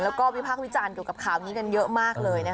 แล้วก็วิพากษ์วิจารณ์เกี่ยวกับข่าวนี้กันเยอะมากเลยนะคะ